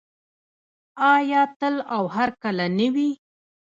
آیا تل او هرکله نه وي؟